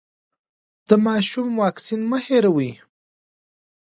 د ماشوم واکسین مه هېروئ.